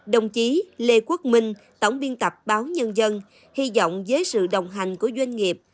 đồng chí lê quốc minh tổng biên tập báo nhân dân hy vọng với sự đồng hành của doanh nghiệp